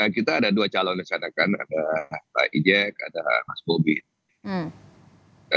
kita ada dua calon di sana kan ada pak ijek ada mas bobby